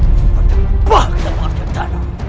berdebahkan harga dana